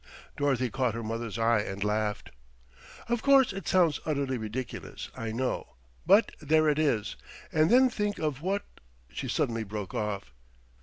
Dorothy caught her mother's eye, and laughed. "Of course it sounds utterly ridiculous I know; but there it is, and then think of what " She suddenly broke off.